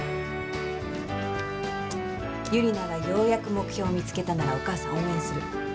ユリナがようやく目標見つけたならお母さん応援する。